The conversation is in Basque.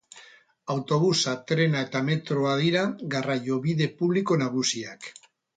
Autobusa, trena eta metroa dira garraiobide publiko nagusiak.